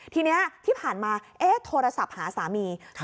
ทีนี้ที่ผ่านมาโทรศัพท์หาสามี